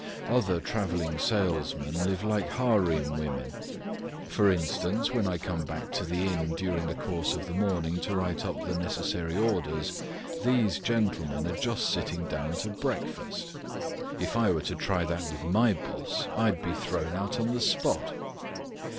Other travelling salesmen live like harem women. For instance, when I come back to the inn during the course of the morning to write up the necessary orders, these gentlemen are just sitting down to breakfast. If I were to try that with my boss, I'd be thrown out on the spot.